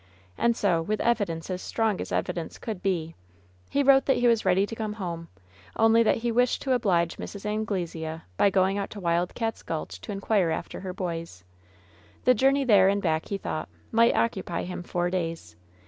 And so, with evidence as strong as evidence could be, he wrote that he was ready to come home, only that he wished to oblige Mrs. Anglesea by going out to Wild Cats' Gulch to inquire after her boys. The journey there and back, he thought, might occupy him four days.